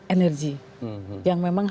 energi yang memang